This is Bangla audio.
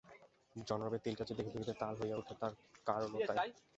জনরবের তিলটি যে দেখিতে দেখিতে তাল হইয়া উঠে তার কারণও তাই।